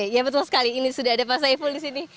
ya betul sekali ini sudah ada pak saiful di sini